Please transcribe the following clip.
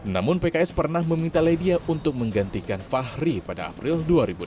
namun pks pernah meminta ledia untuk menggantikan fahri pada april dua ribu enam belas